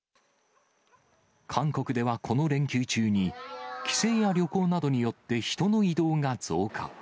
韓国ではこの連休中に、帰省や旅行などによって人の移動が増加。